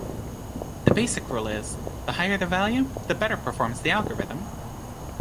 The basic rule is: the higher the value, the better performs the algorithm.